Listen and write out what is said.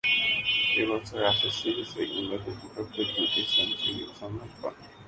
একই বছরে অ্যাশেজ সিরিজে ইংল্যান্ডের বিপক্ষে দুই সেঞ্চুরির সন্ধান পান।